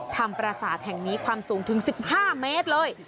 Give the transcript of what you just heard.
ประสาทแห่งนี้ความสูงถึง๑๕เมตรเลย